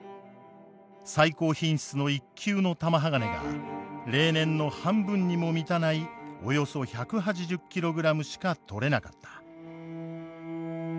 最高品質の一級の玉鋼が例年の半分にも満たないおよそ１８０キログラムしかとれなかった。